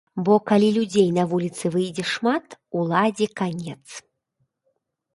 Бо калі людзей на вуліцы выйдзе шмат, уладзе канец.